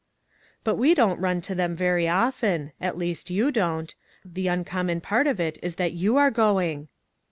"But we don't run to them very often; at least you don't. The uncommon part of it is that you are going."